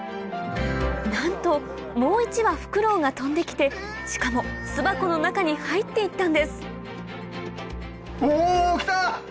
なんともう１羽フクロウが飛んで来てしかも巣箱の中に入って行ったんですお来た！